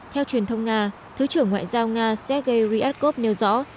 theo truyền thông nga thứ trưởng ngoại giao nga sergei ryadkov nêu rõ